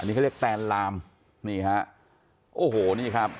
นี่เขาเรียกแตนลามนี่ฮะโอ้โหนี่ครับ